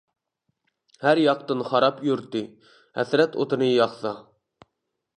ھەر ياقتىن خاراب يۇرتى، ھەسرەت ئوتىنى ياقسا.